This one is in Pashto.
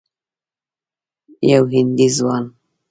یو هندي ځوان